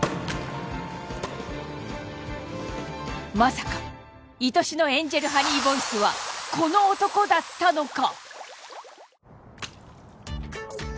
まさか愛しのエンジェルハニーボイスはこの男だったのか？